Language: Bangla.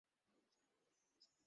এই, লন্ডনে গুড নাইট, এভাবে বলে না।